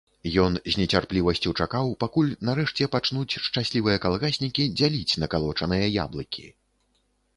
Ён з нецярплівасцю чакаў, пакуль нарэшце пачнуць шчаслівыя калгаснікі дзяліць накалочаныя яблыкі.